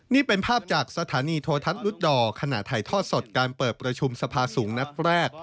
นี่เป็นภาพจากสถานีโททัศน์ลุดอร์ขณะถ่ายทอดสดการเปิดประชุมสภาสูงนัดแรก